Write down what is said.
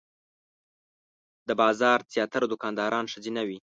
د بازار زیاتره دوکانداران ښځینه وې.